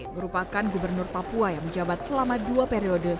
merupakan gubernur papua yang menjabat selama dua periode